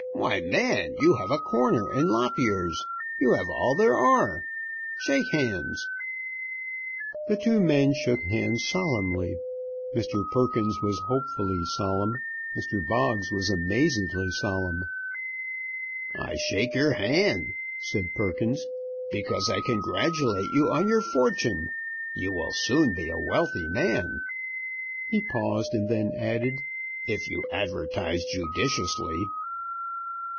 Why, man, you have a corner in lop ears. You have all there are. Shake hands!" The two men shook hands solemnly. Mr. Perkins was hopefully solemn. Mr. Boggs was amazedly solemn. "I shake your hand," said Perkins, "because I congratulate you on your fortune. You will soon be a wealthy man." He paused, and then added, "If you advertise judiciously."